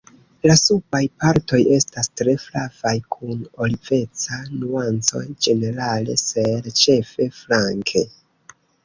La subaj partoj estas tre flavaj kun oliveca nuanco ĝenerale ser ĉefe flanke.